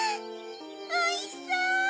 おいしそう！